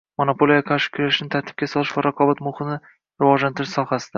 monopoliyaga qarshi kurashishni tartibga solish va raqobat muhitini rivojlantirish sohasida